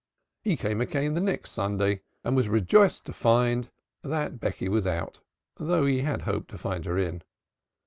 He came again the next Sunday and was rejoiced to find that Becky was out, though he had hoped to find her in.